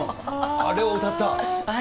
あれを歌った？